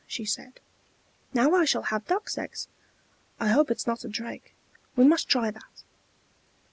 she said. "Now I shall have duck's eggs. I hope it is not a drake. We must try that."